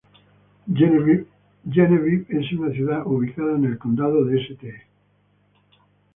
Genevieve es una ciudad ubicada en el condado de Ste.